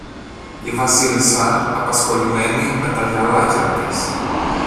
Η Βασίλισσα, απασχολημένη με τα γυαλάκια της